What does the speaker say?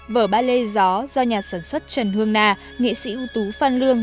vở ba lê gió do nhà sản xuất trần hương na nghệ sĩ ưu tú phan lương